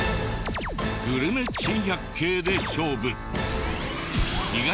グルメ珍百景で勝負。